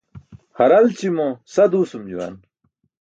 Haralći̇mo sa duusum juwan.